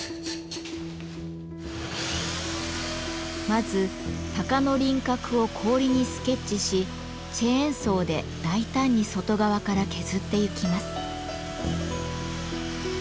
まず鷹の輪郭を氷にスケッチしチェーンソーで大胆に外側から削ってゆきます。